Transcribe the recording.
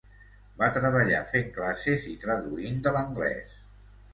Va treballar fent classes i traduint de l'anglès.